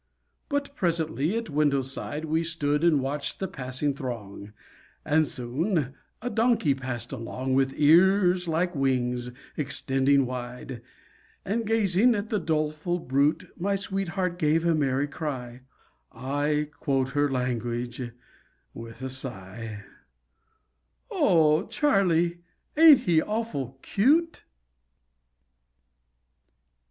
But presently at window side We stood and watched the passing throng, And soon a donkey passed along With ears like wings extended wide. And gazing at the doleful brute My sweetheart gave a merry cry I quote her language with a sigh "O Charlie, ain't he awful cute?"